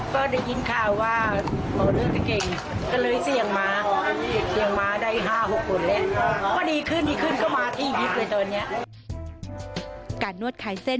ก็ได้ยินข่าวว่าหมอเรื่องจะเก่ง